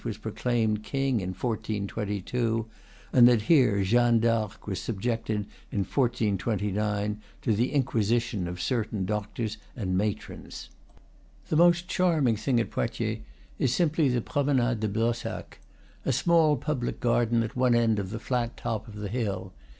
was proclaimed king, in 1422; and that here Jeanne Darc was subjected, in 1429, to the inquisition of certain doctors and matrons. The most charming thing at Poitiers is simply the Promenade de Blossac, a small public garden at one end of the flat top of the hill.